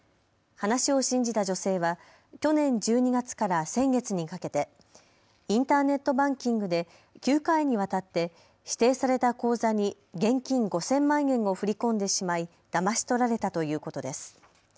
話を信じた女性は去年１２月から先月にかけてインターネットバンキングで９回にわたって指定された口座に現金５０００万円を振り込んでしまいだまし取られたということです。